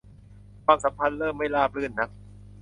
ความสัมพันธ์เริ่มไม่ราบรื่นนัก